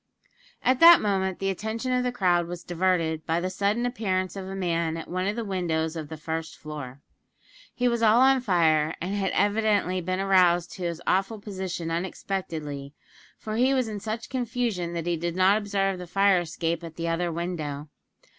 At that moment the attention of the crowd was diverted by the sudden appearance of a man at one of the windows of the first floor. He was all on fire, and had evidently been aroused to his awful position unexpectedly, for he was in such confusion that he did not observe the fire escape at the other window.